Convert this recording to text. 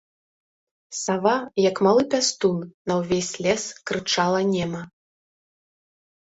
Сава, як малы пястун, на ўвесь лес крычала нема.